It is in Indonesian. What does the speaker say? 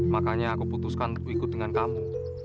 makanya aku putuskan untuk ikut dengan kamu